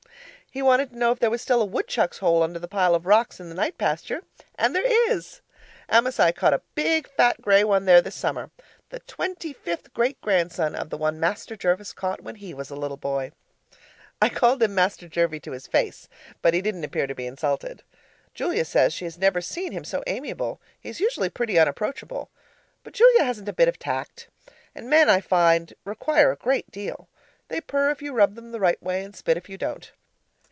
He wanted to know if there was still a woodchuck's hole under the pile of rocks in the night pasture and there is! Amasai caught a big, fat, grey one there this summer, the twenty fifth great grandson of the one Master Jervis caught when he was a little boy. I called him 'Master Jervie' to his face, but he didn't appear to be insulted. Julia says she has never seen him so amiable; he's usually pretty unapproachable. But Julia hasn't a bit of tact; and men, I find, require a great deal. They purr if you rub them the right way and spit if you don't.